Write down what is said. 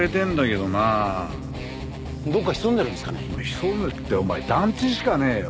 潜むってお前団地しかねえよ！